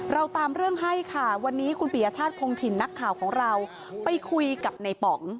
เราตามเรื่องให้ค่ะวันนี้คุณปียชาติคงถิ่นนักข่าวของเราไปคุยกับในป๋อง